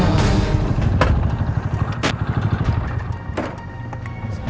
sampai jumpa om